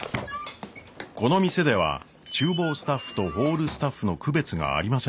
この店では厨房スタッフとホールスタッフの区別がありません。